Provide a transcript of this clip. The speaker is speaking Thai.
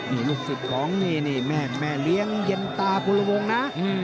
นี่ลูกศิษย์ของนี่แม่เลี้ยงเย็นตากุลวงนะ